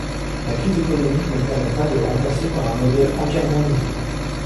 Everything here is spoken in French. La crise économique ne permet pas de le remplacer par un modèle entièrement nouveau.